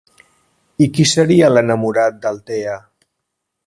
I qui seria l'enamorat d'Altea?